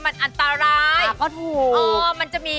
มันอันตรายก็ถูกอ๋อมันจะมี